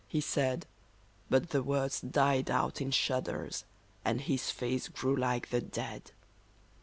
" he said ; But the words died out in shudders, and his face grew like the dead.